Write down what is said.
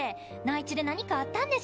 本土で何かあったんでしょう？